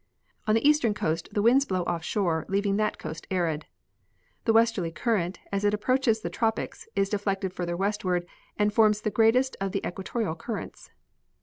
On the eastern coast the winds blow off shore, leaving that coast arid. The westerly current, as it approaches the tropics, is deflected further westward and forms the greatest of the equatorial currents.